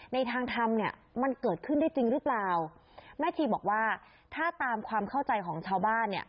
ในทางทำเนี่ยมันเกิดขึ้นได้จริงหรือเปล่าแม่ชีบอกว่าถ้าตามความเข้าใจของชาวบ้านเนี่ย